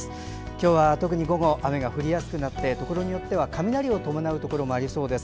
今日は特に午後雨が降りやすくなってところによっては雷を伴うところもありそうです。